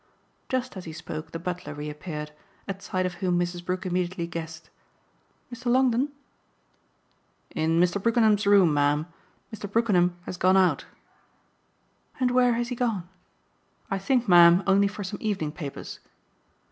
Just as he spoke the butler reappeared; at sight of whom Mrs. Brook immediately guessed. "Mr. Longdon?" "In Mr. Brookenham's room, ma'am. Mr. Brookenham has gone out." "And where has he gone?" "I think, ma'am, only for some evening papers."